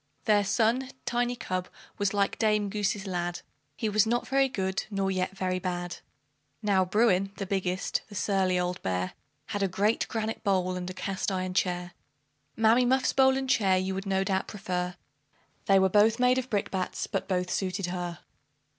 Their son, Tiny cub, was like Dame Goose's lad; He was not very good, nor yet very bad. Now Bruin, the biggest the surly old bear Had a great granite bowl, and a cast iron chair. Mammy Muffs bowl and chair you would no doubt prefer They were both made of brick bats, but both suited her.